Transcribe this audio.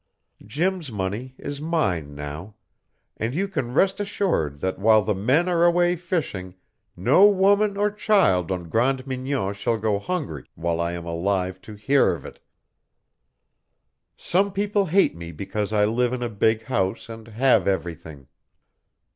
Jim's money is mine now, and you can rest assured that while the men are away fishing no woman or child on Grande Mignon shall go hungry while I am alive to hear of it. "Some people hate me because I live in a big house and have everything.